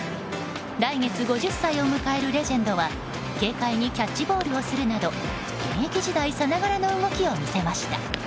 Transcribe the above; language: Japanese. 来月５０歳を迎えるレジェンドは軽快にキャッチボールをするなど現役時代さながらの動きを見せました。